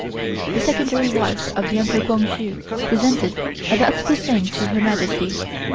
The Secondary wife of the Emperor Kwang Hsu presented about the same to Her Majesty.